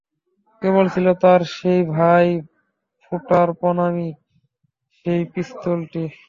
কেবল ছিল তার সেই ভাই-ফোঁটার প্রণামী, সেই পিস্তলটি।